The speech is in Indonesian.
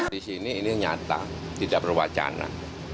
disini ini nyata tidak berwacana